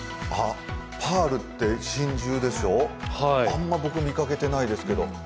パールって真珠でしょ、あんま見かけていないでけど。